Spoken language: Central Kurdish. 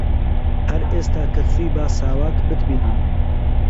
هەر ئێستا کە چووی با ساواک بتبینن